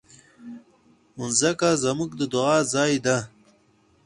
مځکه زموږ د دعا ځای ده.